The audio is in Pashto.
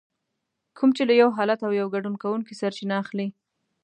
کوم چې له يو حالت او يا ګډون کوونکي سرچينه اخلي.